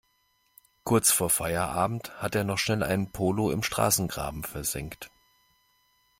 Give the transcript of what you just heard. Kurz vor Feierabend hat er noch schnell einen Polo im Straßengraben versenkt.